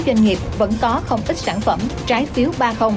doanh nghiệp vẫn có không ít sản phẩm trái phiếu ba